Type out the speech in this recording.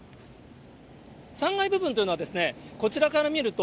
３階部分というのはこちらから見ると、